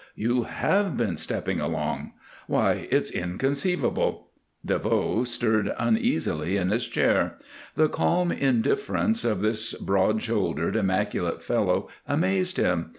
You have been stepping along. Why, it's inconceivable!" DeVoe stirred uneasily in his chair. The calm indifference of this broad shouldered, immaculate fellow amazed him.